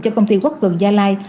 cho công ty quốc cường gia lai